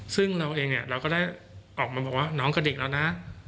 ซึ่งเราเองเนี่ยเราก็ได้ออกมาบอกว่าน้องกระดิกแล้วนะ